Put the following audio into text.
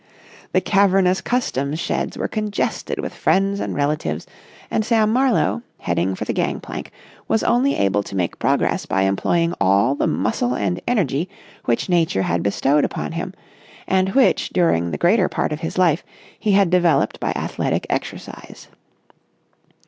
The cavernous Customs sheds were congested with friends and relatives, and Sam Marlowe, heading for the gang plank, was only able to make progress by employing all the muscle and energy which Nature had bestowed upon him, and which during the greater part of his life he had developed by athletic exercise.